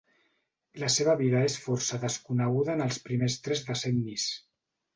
La seva vida és força desconeguda en els primers tres decennis.